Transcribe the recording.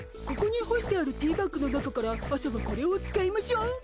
ここにほしてあるティーバッグの中から朝はこれを使いましょう。